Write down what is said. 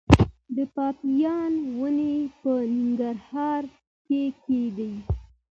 د پاپایا ونې په ننګرهار کې کیږي؟